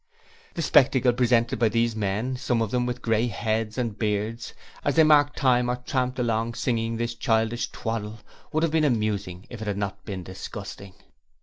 The spectacle presented by these men some of them with grey heads and beards as they marked time or tramped along singing this childish twaddle, would have been amusing if it had not been disgusting.